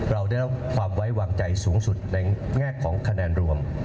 เราได้เอาความวั่งใจสูงสุดแง่ของคะแนนร่วม